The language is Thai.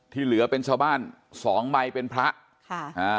ที่เหลือเป็นชาวบ้านสองใบเป็นพระค่ะอ่า